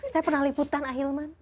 saya pernah liputan ah ilman